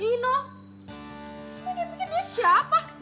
dia bikin duesya apa